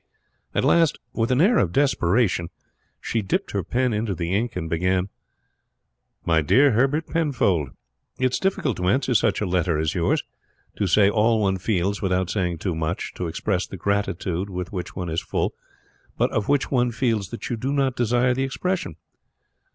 At last, with an air of desperation, she dipped her pen into the ink and began: "MY DEAR HERBERT PENFOLD: It is difficult to answer such a letter as yours to say all one feels without saying too much; to express the gratitude with which one is full, but of which one feels that you do not desire the expression.